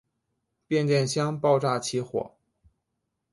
变电箱爆炸起火。